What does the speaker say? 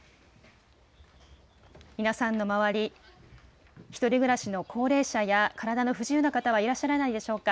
皆さんの周り、１人暮らしの高齢者や体の不自由な方はいらっしゃらないでしょうか。